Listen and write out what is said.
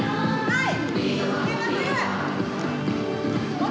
はい！